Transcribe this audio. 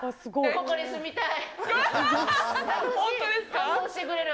ここに住みたい。